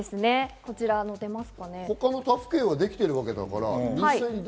他の他府県はできてるわけだから。